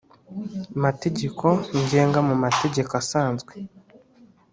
mategeko ngenga mu mategeko asanzwe